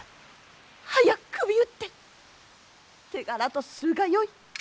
はや首討って手柄とするがよい。